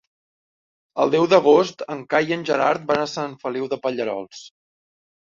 El deu d'agost en Cai i en Gerard van a Sant Feliu de Pallerols.